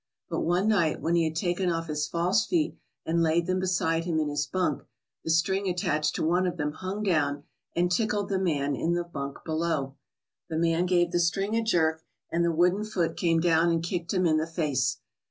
But one night, when he had taken off his false feet and laid them beside him in his bunk, the string attached to one of them hung down and tickled the man in the bunk below. The man gave the string a jerk and the wooden foot came down and kicked him in the face.